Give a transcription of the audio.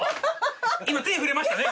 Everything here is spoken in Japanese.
今手触れましたね。